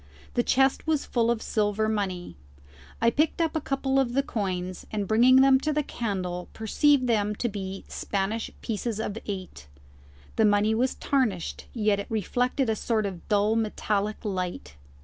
The chest was full of silver money. I picked up a couple of the coins, and, bringing them to the candle, perceived them to be Spanish pieces of eight. The money was tarnished, yet it reflected a sort of dull metallic light.